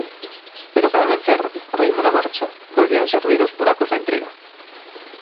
Pero cada mencer, co ritmo da marcha, volvíanse atuír os buracos da intriga.